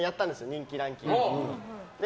人気ランキングって。